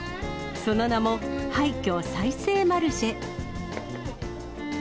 その名も、廃墟再生マルシェ。